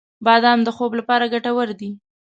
• بادام د خوب لپاره ګټور دی.